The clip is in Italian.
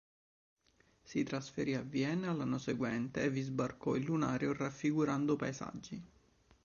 Si trasferì a Vienna l'anno seguente, e vi sbarcò il lunario raffigurando paesaggi.